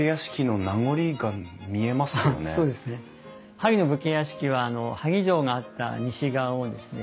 萩の武家屋敷は萩城があった西側をですね